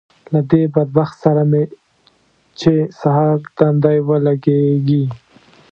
له دې بدبخت سره مې چې سهار تندی ولګېږي